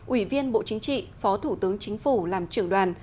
ủy viên bộ chính trị phó thủ tướng chính phủ làm trưởng đoàn